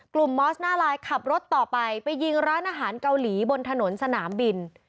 มอสหน้าไลน์ขับรถต่อไปไปยิงร้านอาหารเกาหลีบนถนนสนามบิน